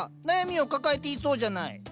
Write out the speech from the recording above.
悩みを抱えていそうじゃない。